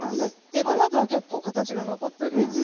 でトマトは結構形が残っております。